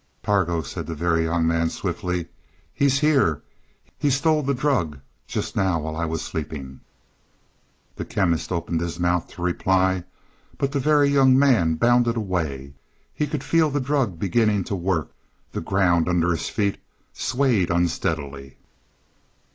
"Targo!" said the Very Young Man swiftly. "He's here; he stole the drug just now, while I was sleeping." The Chemist opened his mouth to reply, but the Very Young Man bounded away. He could feel the drug beginning to work; the ground under his feet swayed unsteadily.